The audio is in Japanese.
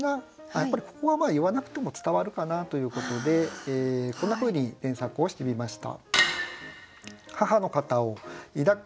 やっぱりここは言わなくても伝わるかなということでこんなふうに添削をしてみました。